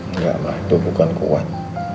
enggak lah itu bukan kuat